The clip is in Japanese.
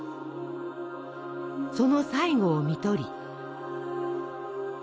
その最期をみとり。